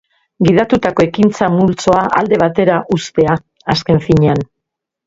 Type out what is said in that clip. Gidatutako ekintza multzoa alde batera uztea, azken finean.